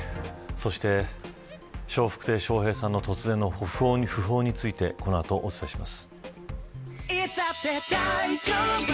そして、笑福亭笑瓶さんの突然の訃報についてこの後、お伝えします。